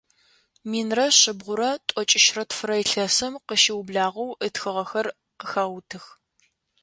Минрэ шъибгъурэ тӏокӏищрэ тфырэ илъэсым къыщыублагъэу ытхыгъэхэр къыхаутых.